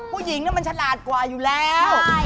ผู้หญิงมันฉลาดกว่าอยู่แล้ว